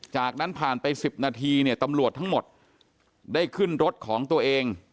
จากนั้นผ่านไป๑๐นาทีเนี่ยตำรวจทั้งหมดได้ขึ้นรถของตัวเอง